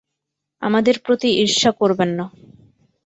আমাদের প্রতি ঈর্ষা করবেন না।